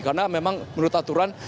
karena memang menurut aturan